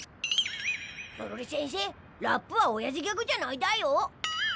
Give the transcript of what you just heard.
ゾロリせんせラップはおやじギャグじゃないだよ。